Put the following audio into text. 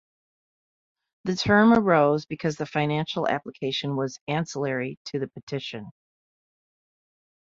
The term arose because the financial application was 'ancillary' to the petition.